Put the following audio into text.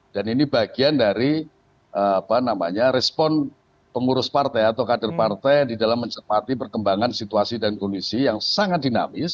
ini bagian dari respon pengurus partai atau kader partai di dalam mencermati perkembangan situasi dan kondisi yang sangat dinamis